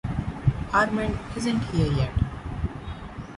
Armand isn’t here yet.